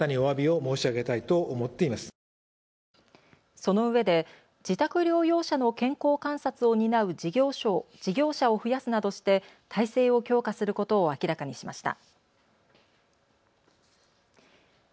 そのうえで自宅療養者の健康観察を担う事業者を増やすなどして体制を強化することを明らかにしました。